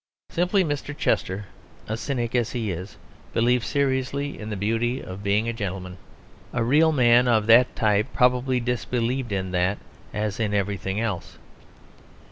Similarly Mr. Chester, a cynic as he is, believes seriously in the beauty of being a gentleman; a real man of that type probably disbelieved in that as in everything else.